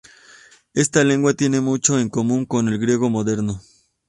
Esta lengua tiene mucho en común con el griego moderno.